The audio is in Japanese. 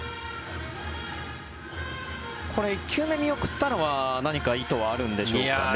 １球目、見送ったのは何か意図があるんですかね。